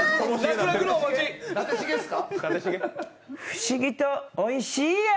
不思議とおいしいや。